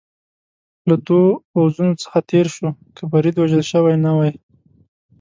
له دوو پوځونو څخه تېر شو، که فرید وژل شوی نه وای.